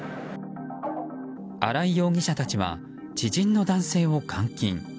荒井容疑者たちは知人の男性を監禁。